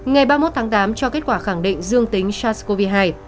ngày ba mươi một tháng tám cho kết quả khẳng định dương tính sars cov hai